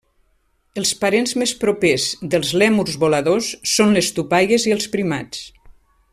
Els parents més propers dels lèmurs voladors són les tupaies i els primats.